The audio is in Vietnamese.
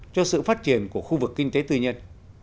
cho sự phát triển của khu vực kinh tế tư nhân